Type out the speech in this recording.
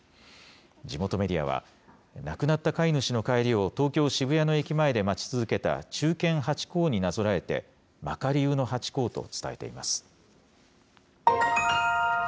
地元メディアは、亡くなった飼い主の帰りを東京・渋谷の駅前で待ち続けた忠犬ハチ公になぞらえて、マカリウのハチ公と伝えています。